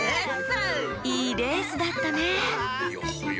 いいレースだったねいやはや。